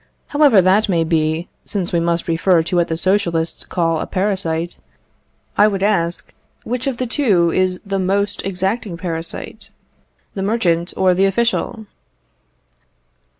However that may be, since we must refer to what the Socialists call a parasite, I would ask, which of the two is the most exacting parasite the merchant or the official?